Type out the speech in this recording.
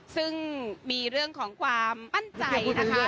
ซึ่งมีเรื่องของความมั่นใจนะคะ